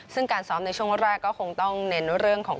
ซึ่งการซ้อมในช่วงแรกก็คงต้องเน้นเรื่องของ